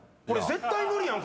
絶対無理やん！